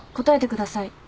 答えてください。